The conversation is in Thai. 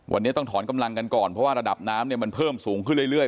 วันนี้ต้องถอนกำลังกันก่อนเพราะว่าระดับน้ำเนี่ยมันเพิ่มสูงขึ้นเรื่อย